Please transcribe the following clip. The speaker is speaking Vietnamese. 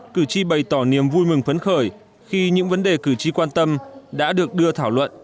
cử tri bày tỏ niềm vui mừng phấn khởi khi những vấn đề cử tri quan tâm đã được đưa thảo luận